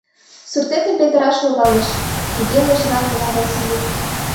— Суртетым петыраш логалеш... — туге лыжган ойла Васильев.